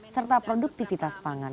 serta produktivitas pangan